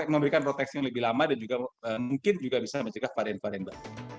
memberikan proteksi yang lebih lama dan juga mungkin juga bisa mencegah varian varian baru